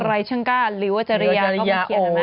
อะไรช่างก้าหรือว่าจริยาเขามาเขียนไหม